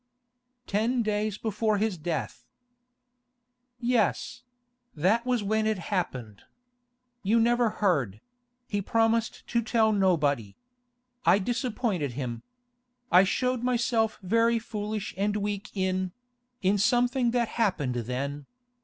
'Ten days before his death.' 'Yes; that was when it happened. You never heard; he promised to tell nobody. I disappointed him. I showed myself very foolish and weak in—in something that happened then.